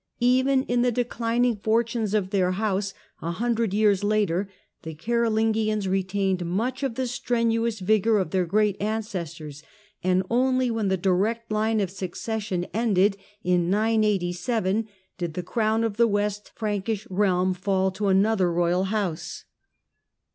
Even in the declining fortunes of their house, a hundred years later, the Carolingians retained much of the strenuous vigour of their great ancestors, and only when the direct line of succession ended in 987 did the crown of the West Frankish realm fall to another royal house.